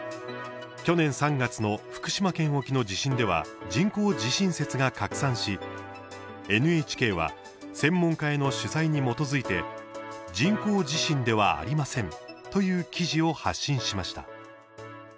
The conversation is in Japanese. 去年３月の福島県沖の地震では人工地震説が拡散し、ＮＨＫは専門家への取材に基づいて人工地震ではありませんという記事を発信しました。